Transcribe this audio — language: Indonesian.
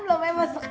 belumnya masuk angin